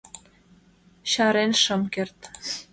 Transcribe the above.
Чарен шым керт.